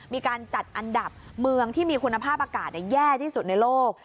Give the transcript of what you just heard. มีการจัดอันดับเมืองที่มีคุณภาพอากาศแย่ที่สุดในโลก